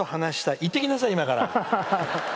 行ってきなさい、今から！